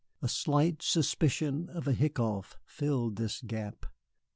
A slight suspicion of a hiccough filled this gap.